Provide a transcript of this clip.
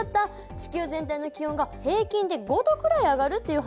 地球全体の気温が平均で５度くらい上がるっていう話なんですね。